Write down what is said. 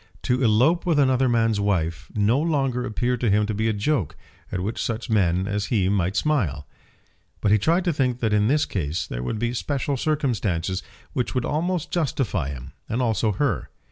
To elope with another man's wife no longer appeared to him to be a joke at which such men as he might smile. But he tried to think that in this case there would be special circumstances which would almost justify him, and also her.